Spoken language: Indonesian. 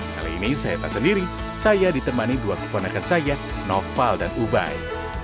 kali ini saya tak sendiri saya ditemani dua keponakan saya noval dan ubai